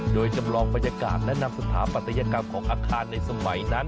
โดยจำลองบรรยากาศและนำสถาปัตยกรรมของอาคารในสมัยนั้น